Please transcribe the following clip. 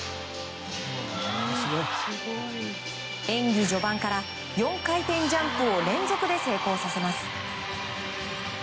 演技序盤から４回転ジャンプを連続で成功させます。